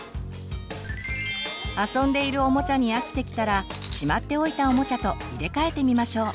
遊んでいるおもちゃに飽きてきたらしまっておいたおもちゃと入れ替えてみましょう。